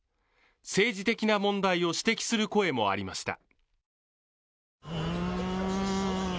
政治的な問題を指摘する声もありました。